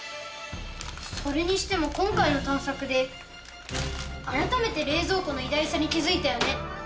それにしても今回の探索であらためて冷蔵庫の偉大さに気付いたよね。